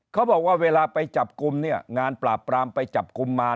เขาบอกว่าเวลาไปจับกลุ่มเนี่ยงานปราบปรามไปจับกลุ่มมา